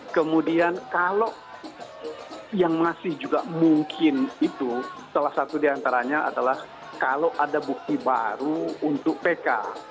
kemudian kalau yang masih juga mungkin itu salah satu diantaranya adalah kalau ada bukti baru untuk pk